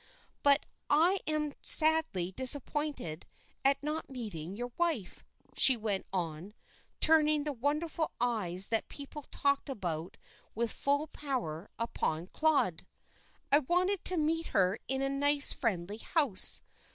But I am sadly disappointed at not meeting your wife," she went on, turning the wonderful eyes that people talked about with full power upon Claude. "I wanted to meet her in a nice friendly house.